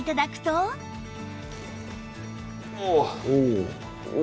おお。